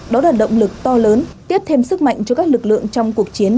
đó là động lực to lớn tiếp thêm sức mạnh cho các lực lượng trong cuộc chiến